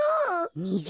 みず？